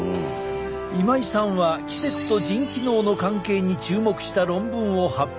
今井さんは季節と腎機能の関係に注目した論文を発表。